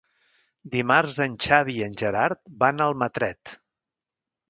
Dimarts en Xavi i en Gerard van a Almatret.